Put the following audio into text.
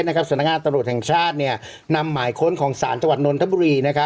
สำนักงานตำรวจแห่งชาตินำหมายค้นของศาลจังหวัดนนทบุรี